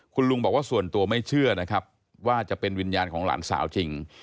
คุณลุงบอกว่าส่วนตัวไม่เชื่อนะครับว่าจะเป็นวิญญาณของหลานสาวจริง